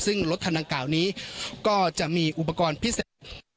ซึ่งรถทางตำรวจนี้ก็จะมีอุปกรณ์พิเศษ